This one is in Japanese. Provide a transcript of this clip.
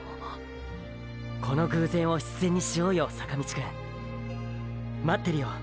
この偶然を必然にしようよ坂道くん。待ってるよ